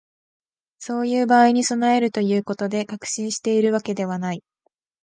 そういう場合に備えるということで、確信しているわけではない